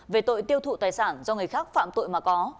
về tội tiêu thụ tài sản do người khác phạm tội mà có